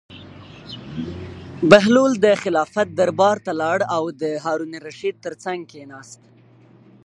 بهلول د خلافت دربار ته لاړ او د هارون الرشید تر څنګ کېناست.